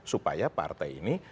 supaya partai ini